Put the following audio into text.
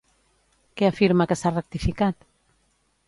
Què afirma que s'ha rectificat?